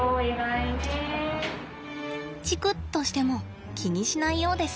チクッとしても気にしないようです。